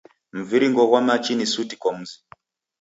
Mviringo ghwa machi ni suti kwa mzi.